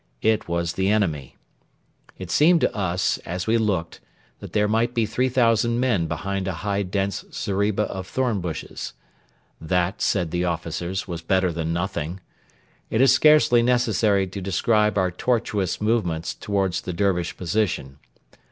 It was the enemy. It seemed to us, as we looked, that there might be 3,000 men behind a high dense zeriba of thorn bushes. That, said the officers, was better than nothing. It is scarcely necessary to describe our tortuous movements towards the Dervish position.